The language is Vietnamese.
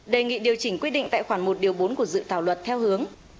đề nghị điều chỉnh quy định tại khoản một bốn của dự thảo luật theo hướng